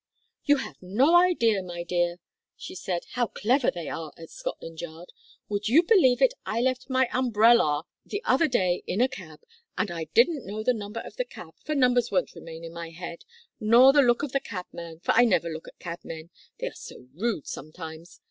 "You have no idea, my dear," she said, "how clever they are at Scotland Yard. Would you believe it, I left my umbrellar the other day in a cab, and I didn't know the number of the cab, for numbers won't remain in my head, nor the look of the cabman, for I never look at cabmen, they are so rude sometimes.